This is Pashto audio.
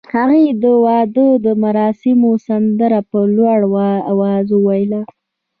هغې د واده مراسمو سندره په لوړ اواز وویل.